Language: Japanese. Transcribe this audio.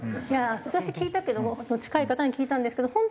いや私聞いたけど近い方に聞いたんですけど。